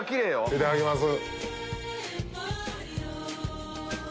いただきます。